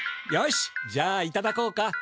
よしじゃあいただこうか。